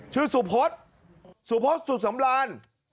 ชื่อสุพศสุพศสุขสำราญ